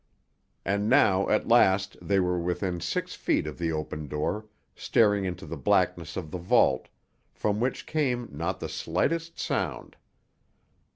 And now, at last, they were within six feet of the open door, staring into the blackness of the vault, from which came not the slightest sound.